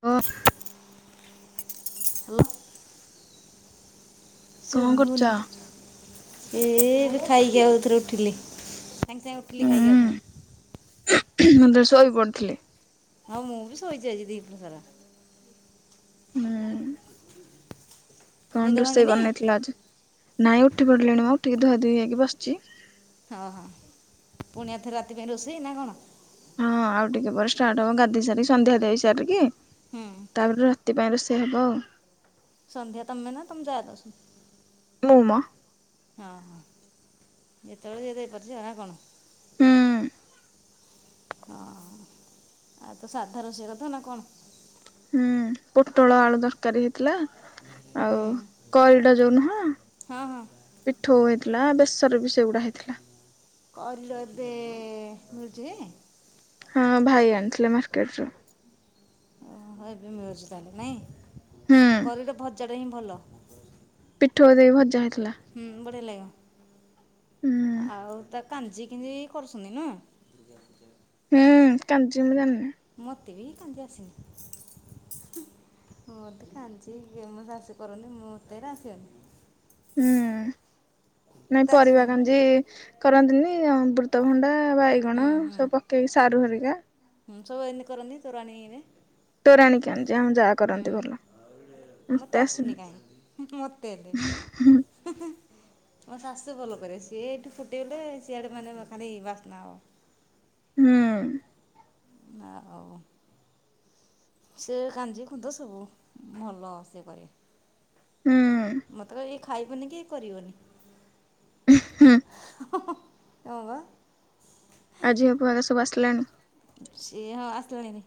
ଓ hello କଣ କରୁଛ? ଶୁଭୁନି, ଏ ଏବେ ଖାଇକି ଆଉଥରେ ଉଠିଲି। ସାଙ୍ଗେ ସାଙ୍ଗେ ଉଠିଲି। ହୁଁ ଖାଇକି ଆଉ ଥରେ। ମୁଁ ତ ଶୋଇପଡ଼ିଥିଲି। ହଁ, ମୁଁ ବି ଶୋଇଛି ଆଜି, ଦିପହର ସାରା। ହୁଁ। [unintelligible] କଣ ରୋଷେଇ ଭାଙ୍ଗିନି ବନେଇଥିଲ ଆଜି? ନାଇଁ ଉଠି ପଡିଲେଣିମ, ଉଠିକି ଧୁଆ ଧୁଇ ହେଇକି ବସିଚି। ଓହୋ। ପୁଣି ଏଥର ରାତିରେ ରୋଷେଇ ନା କଣ? ହଁ, ଆଉ ଟିକେ ପରେ ଷ୍ଟାର୍ଟ ହବ। ଗାଧୋଇ ସାରିକି, ସନ୍ଧ୍ୟା ଦେଇ ସାରିକି, ହୁଁ ତାପରେ ରାତି ପାଇଁ ରୋଷେଇ ହବ ଆଉ। ସନ୍ଧ୍ୟା ତମେ ନା? ତମ ଯା ଦଉଛନ୍ତି? ମୁଁ, ମ। ଅ, ହ, ଯେତେବେଳେ ଯିଏ ଦେଇପାରୁଥିବେ ନା କଣ? ହୁଁ ଅହ, ଆଜି ତ ସାଧା ରୋଷେଇ କରିଥିବ ନା କଣ? ହୁଁ, ପୋଟଳ ଆଳୁ ତରକାରୀ ହେଇଥିଲା, ହୁଁ। ଆଉ କରିଡା ଯୋଉ ନୁହଁ ହଁ, ହଁ। ପିଠୋଉ ହେଇଥିଲା, ବେସର ବି ସେଗୁଡ଼ା ହେଇଥିଲା। କରିିଡା ଏବେ ମିଳୁଚି କି? ହଁ, ଭାଇ ଆଣିଥିଲେ ମାର୍କେଟରୁ। ହଁ, ଏବେ ମିଳୁଛି ତାହେଲେ ହୁଁ ନାଇଁ? କରିଡା ଭଜାଟା ହିଁ ଭଲ। ପିଠଉ ଦେଇ ଭଜା ହେଇଥିଲା। ହୁଁ, ବଢ଼ିଆ ହୁଁ ଲାଗିବ। ଆଉ ତା କାଞ୍ଜି କିଞ୍ଜି କରୁଛନ୍ତି ନୁହଁ? ପୂଜା ପୂଜା। [unintelligible] ହୁଁ, କାଞ୍ଜି ମୁଁ ଜାଣିନି। ମତେ ବି କାଞ୍ଜି ଆସେନି। ହୁଁ, ମତେ କାଞ୍ଜି [unintelligible] ଶାଶୁ କରନ୍ତି, ମତେ ଏରା ଆସିବନି। ହୁଁ, ନାଇଁ ତୋତେ ଆସିବନି ପରିବା ପରା କାଞ୍ଜି କରନ୍ତିନି। ଅମ୍ବୃତଭଣ୍ଡା, ହୁଁ ବାଇଗଣ, ହୁଁ ସବୁ ପକେଇକି ସାରୁ ହରିକା ହୁଁ, ସବୁ ଏମିତି କରନ୍ତି ତୋରାଣୀରେ। ତୋରାଣି କାଞ୍ଜି, ଆମ ଯାଆ ହୁଁ। କରନ୍ତି ଭଲ। ମତେ ମୋତେ ଆସୁନି ଆସିନି କାହିଁ। ମୋତେ ବି। ହୁଁ ଉଁ ଉଁ, ମୋ ଶାଶୁ ଭଲ କରିବେ। ସିଏ ଏଇଠୁ ଫୁଟେଇବେ, ସିଆଡେ ଗାଁ ଯାକ ଖାଲି ବାସ୍ନା ହବ। ହୁଁ। ନା ହଉ। [unintelligible] ସେ କାଞ୍ଜିକୁତ ସବୁ ଭଲ ସେ କରିବେ। ହୁଁ। ମତେ କହିବେ ଇଏ ଖାଇବନି କି କରିବନି। ହୁଁ [inaudible] ତ। [unintelligible] ଆଜି [unintelligible] ସବୁ ଆସିଲାଣି। ସିଏ ହଁ ଆସିଲାଣି।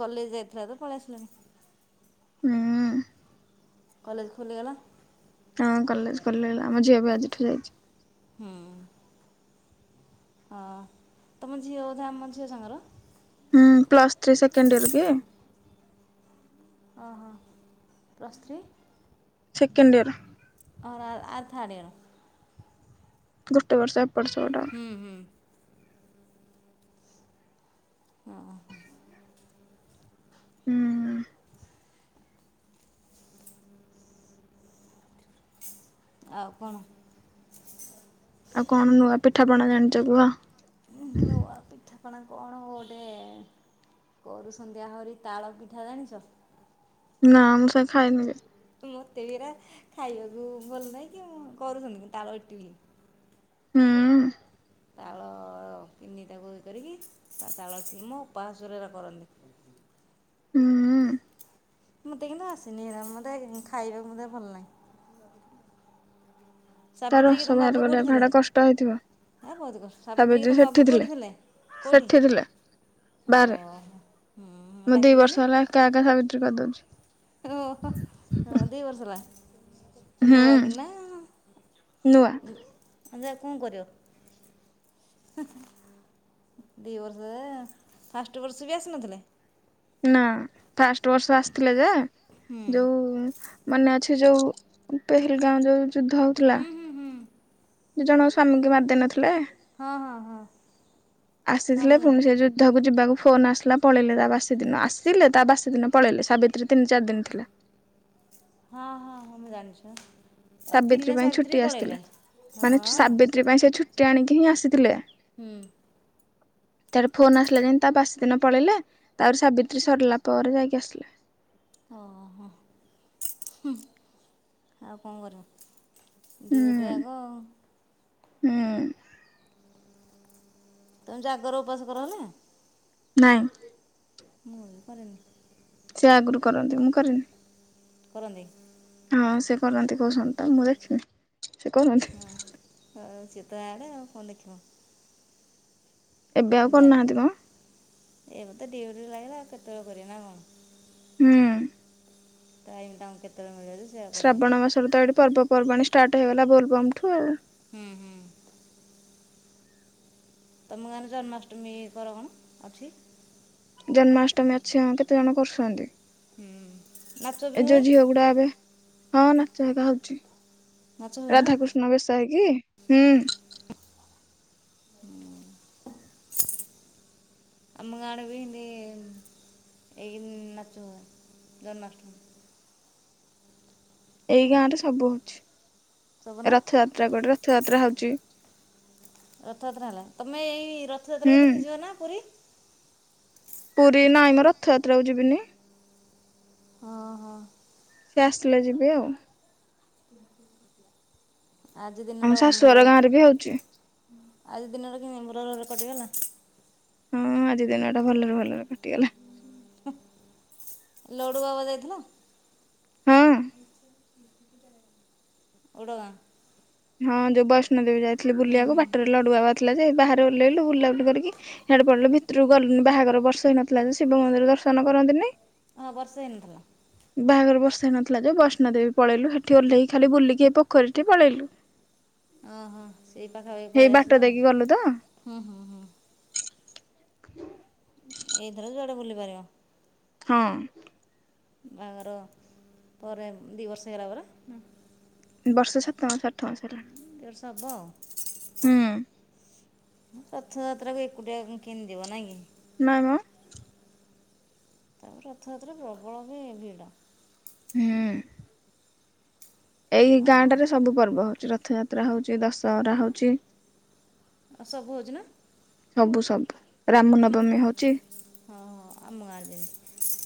କଲେଜ ଯାଇଥିଲା ତ, ପଳେଇ ଆସିଲାଣି। ହୁଁ। କଲେଜ ଖୋଲିଗଲା? ତାଙ୍କ କଲେଜ ଖୋଲିଗଲା। ଆମ ଝିଅ ବି ଆଜିଠୁ ଯାଇଚି। ହୁଁ। ହଁ ତମ ଝିଅବୋଧେ ଆମ ଝିଅସାଙ୍ଗର। ହୁଁ ପ୍ଲସ ଥ୍ରୀ ସେକେଣ୍ଡିୟରକି? ଓହୋ ପ୍ଲସ ଥ୍ରୀ। ସେକେଣ୍ଡିୟର। ଆର ଆର ଆର ଥାର୍ଡ ଇୟର। ଗୋଟେ ବର୍ଷ ଏପଟ ସେପଟ। ଉୁଁ ହୁଁ। [unintelligible] ଉୁଁ ହୁଁ। ଆଉ କଣ? ଆଉ କଣ ନୂଆ ପିଠାପଣା ଜାଣିଛ କୁହ? ନୂଆ ପିଠାପଣା କଣ ଗୋଟେ? କରୁ ସନ୍ଧ୍ୟାହରି ତାଳପିଠା ଜାଣିଛ? ନାଁ ମୁଁ ସେ ଖାଇନି କେବେ। ମତେବି ଏରା ଖାଇବାକୁ ଭଲନାହିଁକି କରୁଛନ୍ତି ତାଳ ଇଟିଲି। ହୁଁ ଉୁଁ। ତାଳ ତିନିଟାକୁ ଇଏ କରିକି ତା ତାଳ ମୋ ଅପାଶାଶୁହର ଏରା କରନ୍ତି। ହୁଁ ଉୁଁ। ମତେ କିନ୍ତୁ ଆସେନି ହେରା ମତେ ଖାଇବାକୁ ମୋତେ ଭଲଲେଗେ। ତା ରସ ସାବିତ୍ରୀକି ତମ ବାହାର ବାବୁ କୋଉଠି କରିବା ଥିଲେ? ହେଟା କଷ୍ଟ ହେଇଥିବ ହେ ବହୁତ କଷ୍ଟ ସାବିତ୍ରୀ ତମ ବାବୁ କୋଉଠି ଥିଲେ କୋଉଠି? ସେଠି ଥିଲା ଓ ବାହାରେ ହୁଁ ମୁଁ ଦି ବର୍ଷ ଡାକିଲନି। ହେଲା ଏକା ଏକା ସାବିତ୍ରୀ କରିଦଉଛି। ଓହୋ ହଁ ଦୁଇବର୍ଷ ହେଲା। ହୁଁ ନୂଆକିନା ଆଉ ନୂଆ ଯା କଣ କରିବ? ହେଁ ଦି ବର୍ଷରେ ଫାଷ୍ଟ ବର୍ଷବି ଆସିନଥିଲେ। ନାଁ ଫାଷ୍ଟ ବର୍ଷ ଆସିଥିଲେଯେ ହୁଁ ଯୋଉ। ମନେଅଛି ଯୋଉ ପେହେଲଗାଁଓ ଯୋଉ ଯୁଦ୍ଧ ହଉଥିଲା। ହୁଁ ହୁଁ ହୁଁ ଦି ଜଣଙ୍କ ସ୍ୱାମୀଙ୍କୁ ମାରିଦେଇ ନଥିଲେ। ହଁ ହଁ ହଁ। ହଁ ଆସିଥିଲେ ମୁଁ ପୁଣି ସେଯୁଦ୍ଧକୁ ଯିବାକୁ ଫୋନ ଆସିଲା ପଳେଇଲେ ତାବାସିଦିନ ଆସି ଥିଲେ ତା ବାସିଦିନ ପଳେଇଲେ ସାବିତ୍ରୀ ତିନି ଚାରିଦିନ ଥିଲା। ହଁ ହଁ ହଁ ମୁଁ ଜାଣିଛିବା। ସାବିତ୍ରୀ ପାଇଁ ଛୁଟି ଆସିଥିଲେ ମାନେ ହଁ ସାବିତ୍ରୀପାଇଁ ସେ ଛୁଟି ଆଣିକିହିଁ ଆସିଥିଲେ। ହୁଁ ଉୁଁ। [inaudible] ତାପରେ ଫୋନ ଆସିଲା ଯେମତି ତା ବାସିଦିନ ପଳେଇଲେ ତାପରେ ସାବିତ୍ରୀ ସରିଲାପରେ ଯାଇକି ଆସିଲେ। ଅ ହ ହଁ ହୁଁ ଆଉ କଣ କରିବ? ହୁଁ ଡିଉଟି ଆଗ। ହୁଁ ଉୁଁ। ତମେ ଜାଗର ଉପାସ କରନା? ନାଁ। ମୁଁବି କରେନି। ସେ ଆଗରୁ କରନ୍ତି ମୁଁ କରେନି। କରନ୍ତି। ହଁ ସେ କରନ୍ତି କହୁଛନ୍ତି ତ ମୁଁ ଦେଖିନି। ସେ କରନ୍ତି ହଁ ହଉ ସେତ ଇଆଡ଼େ ଆଉ କଣ ଦେଖିବ। ଏବେ ଆଉ ଜାଗ କରୁନାହାନ୍ତି ମ ଏବେ ତ ଡ୍ୟଉଟି ରୁ ଆଇଲ ଆଉ କେତେବେଳେ କରିବ ନା କଣ? ହୁଁ। ଟାଇମ୍ ତାଙ୍କୁ କେତେବେଳେ ମିଳିବ ଯେ? ସେୟା କରିବେ ଶ୍ରାବଣ ମାସରେ ତ ଏଇଠି ପର୍ବପର୍ବାଣି ଷ୍ଟାର୍ଟ ହେଇଗଲା ବୋଲବମ ଠୁ ଆଉ। ହୁଁ, ହୁଁ। ତମ ଗାଁରେ ଜନ୍ମାଷ୍ଟମୀ କର କଣ ଅଛି? ଜନ୍ମାଷ୍ଟମୀ ଅଛି ହଁ କେତେ ଜଣ କରୁଛନ୍ତି। ହୁଁ। ନାଚ ବି ଏ ଯଉ ହୁଏ ଝିଅ ଗୁଡ଼ା ଏବେ ହଁ ନାଚ ଆକା ହଉଛି ନାଚ ହୁଏ ନା ରାଧାକୃଷ୍ଣ ନୂଆ ବେଶ ହେଇକି ହୁଁ। ଆମ ଗାଁ ଆଡ଼େ ବି ଏମିତି ଏଇ ନାଚ ହୁଏ ଜନ୍ମାଷ୍ଟମୀ। ଏଇ ଗାଁ ରେ ସବୁ ହଉଛି ସବୁ ନା ରଥଯାତ୍ରା କଡ଼ରେ ରଥଯାତ୍ରା ହଉଛି। ରଥଯାତ୍ରା ହେଲା ତମେ ଏଇ ହୁଁ ରଥଯାତ୍ରାକୁ ଦେଖିଯିବ ନା ପୁରୀ? ପୁରୀ ନାଇଁ ମୋ ରଥଯାତ୍ରାକୁ ଯିବିନି। ହଁ, ହଁ। ସେ ଆସିଲେ ଯିବି ଆଉ। [unintelligible] ଆଜି ଆମ ଦିନଟା କଣ ଶାଶୁଘର ଭଲ ଗାଁରେ ବି ହଉଛି ଆଜି ଦିନରେ କିଇନ୍ତି ଭଲରେ କଟିଗଲା? ହଁ ଆଜି ଦିନ ଟା ଭଲରେ ଭଲରେ କଟିଗଲା। ଲଡ଼ୁ ବାବା ଯାଇଥିଲ? ହଁ। ଉଡ଼ ଗାଁ। ହଁ ଯଉ ବୈଷ୍ଣଦେବୀ ଯାଇଥିଲି ହୁଁ ବୁଲିବାକୁ ହୁଁ ବାଟରେ ଲଡ଼ୁ ବାବା ଥିଲା ଯେ ବାହାରେ ଓଲ୍ଲେଇଲୁ ବୁଲାବୁଲି କରିକି ହିଆଡ଼େ ପଡ଼ିଲୁ ଭିତରକୁ ଗଲୁନି ବାହାଘର ବର୍ଷ ହେଇନଥିଲା ଯେ ଶିବ ମନ୍ଦିର ଦର୍ଶନ କରନ୍ତିନି। ଅ ବର୍ଷେ ହେଇ ନଥିଲା। ବାହାଘର ବର୍ଷେ ହେଇନଥିଲା ଯେ ବୈଷ୍ଣଦେବୀ ପଳେଇଲୁ ସେଠି ଓହ୍ଲେଇ ଖାଲି ବୁଲିକି ଏ ପୋଖରୀଟି ପାଲେଇଲୁ। [unintelligible] ଓଁହ ସେଇ ପାଖାପାଖି ପଳେଇ ଆସିଲ ଦେଇକି ଗଲୁ ତ ହୁଁ ହୁଁ ହୁଁ। ଏଇଥର ଯୁଆଡ଼େ ବୁଲି ପାରିବ। ହଁ। ବାହାଘର ପରେ ଦି ବର୍ଷ ହେଇଗଲା ପରା? ବର୍ଷେ ସାତ ମାସ ଅଠ ମାସ ହେଲା। ଦେଢ଼ ବର୍ଷ ହେବ। ହୁଁ। ରଥଯାତ୍ରା କୁ ଏକୁଟିଆ କିନ୍ତି ଯିବ ନାଇଁ କି। ନାଈ ମ। ତାପରେ ରଥଯାତ୍ରା ପ୍ରବଳ ବି ଭିଡ଼। ହୁଁ। ଏଇ ଗାଁଟାରେ ହଁ ସବୁ ପର୍ବ ହଉଚି ରଥଯାତ୍ରା ହଉଚି ଦଶହରା ହଉଚି। ସବୁ ହଉଚି ନା? ସବୁ ସବୁ ତମ ରାମନବମୀ ହଉଚି। ହଁ ହଁ ଆମ ଗାଁରେ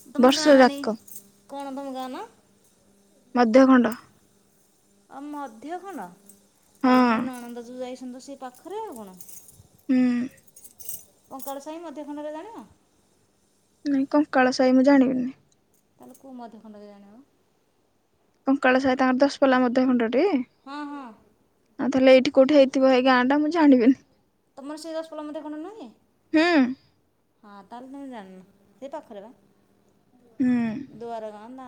ବି ତମ ବର୍ଷ ଗାଁ ଯାକ ଜାଣିନି କଣ ତମ ଗାଁ ନା? ମଧ୍ୟଖଣ୍ଡ। ଅ ମଧ୍ୟଖଣନ ତାହେଲେ ହଁ ମୋ ନଣନ୍ଦ ଯୋଉ ଯାଇସନ୍ତି ତ ସେ ପାଖରେ ଆଉ କଣ। ହୁଁ। କଙ୍କାଳ ସାଇ ମଧ୍ୟ ଖଣ୍ଡରେ ଜାଣିନ? ନାଇଁ କଙ୍କାଳ ସାଇ ମୁଁ ଜାଣିବିନି। ତାହେଲେ କୋଉ ମଧ୍ୟଖଣ୍ଡରେ ଜାଣିବ? କଙ୍କଳ ସାଇ ତାଙ୍କର ଦଶପଲ୍ଲା ମଧ୍ୟଖଣ୍ଡଟି? ହଁ ହଁ। ଆଉ ତାହଲେ ଏଇଠି କୋଉିଠି ହେଇଥିବ ହେଇ ଗାଁ ଟା ମୁଁ ଜାଣିବିନି। ତମର ସେଇ ଦଶପଲ୍ଲା ମଧ୍ୟ ଖଣ୍ଡ ନାହଁ? ହୁଁ ହଁ ତାହାଲେ ତମେ ଜାଣ୍ନ ସେଇ ପାଖରେ ବା। ହୁଁ ଦୁଆର ଗାଁ ନା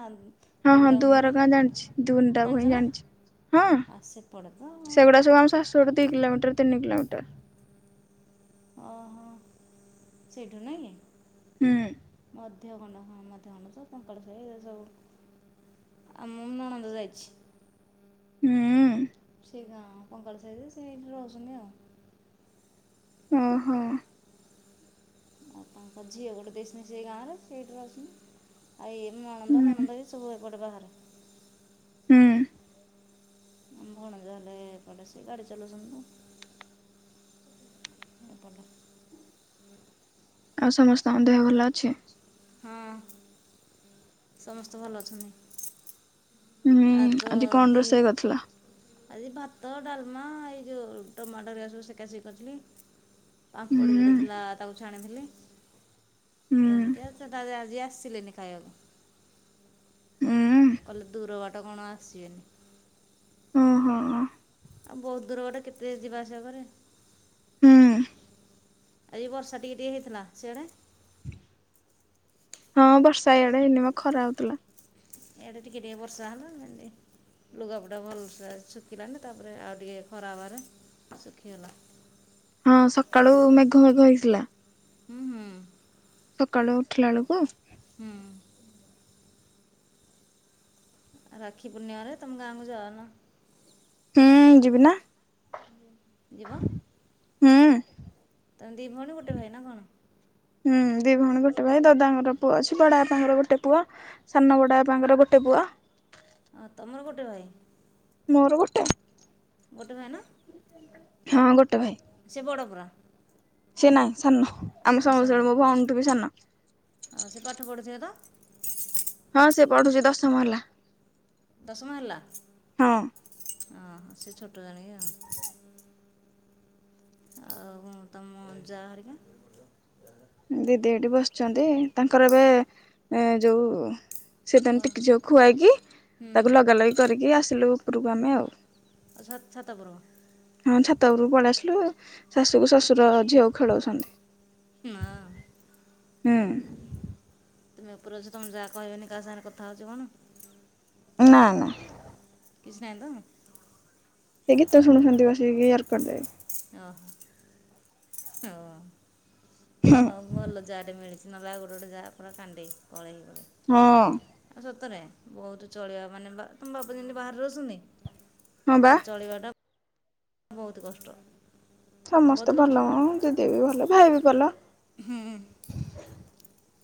ହଁ ହଁ ଦୁଆର ନିଣ୍ଡାମୁହିଁ ଗାଁ ଜାଣିଛି ଦୁନଟା ଭୁଇଁ ଜାଣିଚନା? ଜାଣିଛି ହଁ ସେଗୁଡା ସବୁ ଆମ ଶାଶୁ ଘରଠୁ ଦି କିଲୋମିଟର୍ ତିନି କିଲୋମିଟର୍ ଓହୋ ସେଇଠୁ ନାଇଁ କି? ହୁଁ। ମଧ୍ୟ ଖଣ୍ଡ ହ ମଧ୍ୟ ଖଣ୍ଡ କଙ୍କାଳସାହି ଏ ସବୁ ଆମ ମୁଁ ନଣନ୍ଦ ଯାଇଚି। ହୁଁ। ସେ ଗାଁ କଙ୍କାଳ ସାଇ ଯେ ସେ ଏଇଠି ରହୁଚନ୍ତି ଆଉ। ଓହ। ଆଉ ତାଙ୍କ ଝିଅ ଗୋଟେ ଦେଇସିନି ସେଇ ଗାଁ ରେ ସେ ଏଠି ରହିଛନି। ଆଏଇ ନଣନ୍ଦ ହୁଁ ନଣଦବି ସବୁ ଏପଟେ ବାହାରେ ହୁଁ। ଆମ ଭଣଜା ହେଲେ ଏପଟେ ସେ ଗାଡି ଚଲଉଛନ୍ତିୁନ। ହୁଁ ଏପଟେ। ଆଉ ସମସ୍ତଙ୍କ ଦେହ ଭଲ ଅଛି? ହଁ। ସମସ୍ତେ ଭଲ ଅଛନି। ହୁଁ ଆ ତ ଆଜି କଣ ଦି ରୋଷେଇ ବସ କରିଥିଲ ଆଜି ଭାତ ଡାଲ୍ମା ଏଇ ଯେଉ ଟମାଟୋ ହେରିକା ସବୁ ସେକା ସେକି କର୍ଥିଲି ପାମ୍ପଡ ହୁଁ ଯୋଟେ ଥିଲା ତାକୁ ଛାଣିଥିଲି। ହୁଁ ଏମିତି ଆଉ ସେଟାରେ ଆଜି ଆସିଲେନି ଖାଇବାକୁ। ହୁଁ କହିଲେ ଦୂର ବାଟ କଣ ଆସିବେନି। ଓ ହଁ ହ। ଆଉ ବହୁତ୍ ଦୂର ବାଟ କେତେ ଯିବା ଆସିବା କରିବେ। ହୁଁ ଆଜି ବର୍ଷା ଟିକେ ଟିକେ ହେଇଥିଲା ସିଆଡେ। ହଁ ବର୍ଷା ଇଆଡେ ହେଇନି ମ ଖରା ହଉଥିଲା। ଏଇଡେ ଟିକେ ଟିକେ ବର୍ଷା ହେଲା ଏମିତି। ଲୁଗାପୁଟା ଭଲ୍ ସେ ଶୁଖିଲାନି ତାପରେ ଆଉ ଟିକେ ଖରା ହେବାରେ ଶୁଖିଗଲା। ହଁ ସକାଳୁ ମେଘ ଫେଘ ହେଇଥିଲା ହୁଁ ହୁଁ। ସକାଳୁ ଉଠିଲା ବେଳକୁ ହୁଁ। ଆଉ ରାକ୍ଷୀ ପୂର୍ଣ୍ଣିମାରେ ତମ ଗାଁକୁ ଯାଉନ? ହୁଁ ଯିବି ନା। ଯିବ। ହୁଁ। ତମେ ଦି ଭଉଣୀ ଗୋଟ ଭାଇ ନା କଣ? ହୁଁ ଦି ଭଉଣୀ ଗୋଟେ ଭାଇ ଦାଦାଙ୍କର ପୁଅ ଅଛି ବଡା ବାପାଙ୍କର ଗୋଟେ ପୁଅ। ସାନବଡ଼ ବାପା ଙ୍କର ଗୋଟେ ପୁଅ। ଆ ତମର ଗୋଟେ ଭାଇ। ମୋର ଗୋଟେ ଗୋଟେ ଭାଇନା। ହଁ ଗୋଟେ ଭାଇ। ସେ ବଡ ପୁରା। ସେ ନାଇଁ ସାନ ଆମେ ଆଉ ସାନ ସମସ୍ତଙ୍କଠୁ ମୋ ଭଉଣୀ ଠୁ ବି ସାନ। ଆଉ ସେ ପାଠ ପଢ଼ୁଥିବେ ତ। ହଁ ସେ ପଢୁଛି ଦଶମ ହେଲା। ଦଶମ ହେଲା ହଁ ଅ ହ ସେ ଛୋଟ ଜାଣିକି ଆଉ। ଆଉ ହଁ ତମ ଜା ଘରିକା। ଦିଦି ଏଇଟି ବସିଛନ୍ତି ତାଙ୍କର ଏବେ ଯୋଉ ସେତାଙ୍କ କ'ଣ ଟିକି ଝିଅକୁ ଖୁଆଇକି ହୁଁ ତାକୁ ଲଗା ଲଗି କରିକି ଆସିଲୁ ଉପରକୁ ଆମେ ଆଉ। ଆଉ ଛାତ ଛାତ ଉପରକୁ। ହଁ ଛାତ ଉପରୁକୁ ପଳେଇ ଆସିଲୁ ଶାଶୁକୁ ଶାଶୁର ଝିଅକୁ ଖେଳଉଛନ୍ତି। ମା। ହୁଁ। ତମେ ଉପର ଅଛ ତମେ ଯାହା କହିବନି କାହା ସାଙ୍ଗରେ କଥା ହଉଛି କଣ? ନା ନା। କିଛି ନାହିଁ ତ। ସେ ଗୀତ ଶୁଛନ୍ତି ବସିକି ୟରକର୍ଡ ଦେଇକି। ଓ ହୋ ଓହୋ ଭଲ ଯା ଟେ ମିଳିଚି। ନହେଲେ ଆଉ ଗୋଟେ ଗୋଟେ ଯା ପୁରା କାଣ୍ଡେଇ କଲେଇ ଭଳି। ହଁ। ଆଉ ସତରେ ବହୁତୁ ଚଳିବା ମାନେ ବା ତମ ବାପା ଯେମିତି ବାହାରେ ହଁ ବା ରହୁଛନ୍ତି ଚଳିବା ବହୁତୁ କଷ୍ଟ। ବହୁତ ସମସ୍ତେ କଷ୍ଟ ଭଲ ନା ହ ଦିଦି ବି ଭଲ ଭାଇ ବି ଭଲ। ହୁଁ।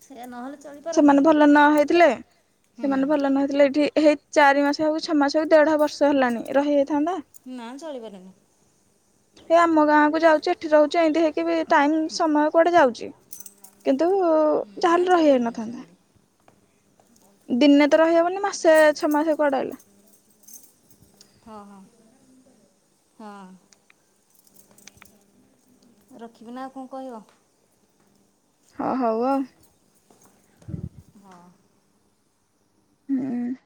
ସେଇୟା ନହେଲେ ଚଳି ସେମାନେ ଭଲ ନ ହେଇଥିଲେ ହୁଁ ସେମାନେ ଭଲ ନ ହେଇଥିଲେ ଏଠି ହେଇ ଚାରି ମାସ ହେଉ ଛଅ ମାସ ହେଉ ଦେଢ ବର୍ଷ ହେଲାଣି ରହିହେଇଥାନ୍ତା। ନା ଚଳି ପାରିମିନି। ଏ ଆମ ଗାଁ କୁ ଯାଉଚି ଏଠି ରହୁଛି ଏମିତି ହେଇକି ବି ଟାଇମ୍ ସମୟ କୁଆଡେ ଯାଉଚି। କିନ୍ତୁ ହୁଁ, ନା ଯାହେଲେ ଚଳିହେବନି ରହିହେଇନଥାନ୍ତା। ସେମିତି ଦିନେ ତ ରହିହବନି ମାସେ ଛଅ ମାସେ କୁଆଡେ ଆଇଲା। ହ ହ ହ। ରଖିବିନା ଆଉ କଣ କହିବ? ହ ହଉ ଆଉ। ହଁ। ହୁଁ।